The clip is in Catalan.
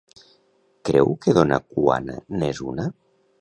Creu que dona Cuana n'és una?